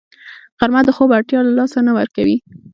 غرمه د خوب اړتیا له لاسه نه ورکوي